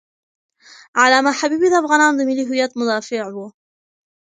علامه حبیبي د افغانانو د ملي هویت مدافع و.